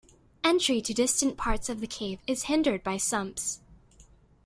Entry to distant parts of the cave is hindered by sumps.